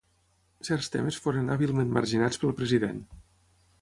Certs temes foren hàbilment marginats pel president.